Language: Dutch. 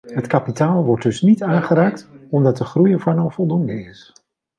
Het kapitaal wordt dus niet aangeraakt, omdat de groei ervan al voldoende is.